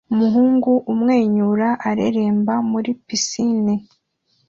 Umuhungu umwenyura areremba muri pisine